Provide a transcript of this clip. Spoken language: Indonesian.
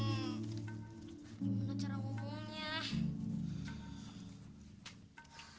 gimana cara hubungannya